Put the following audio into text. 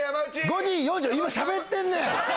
５時今しゃべってんねん！